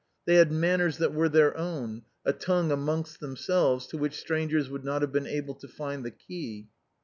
They had manners that were their own, a tongue amongst them selves to which strangers would not have been able to find the key.